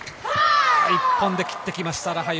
１本で切ってきました、ラハユ。